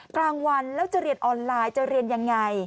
กลางวันแล้วจะเรียนออนไลน์จะเรียนยังไง